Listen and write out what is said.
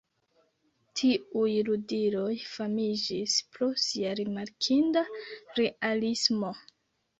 Tiuj ludiloj famiĝis pro sia rimarkinda realismo.